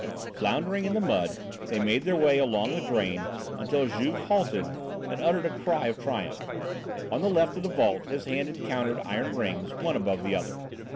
Floundering in the mud, they made their way along the drain until Juve halted and uttered a cry of triumph. On the left wall of the vault his hand encountered iron rings one above the other.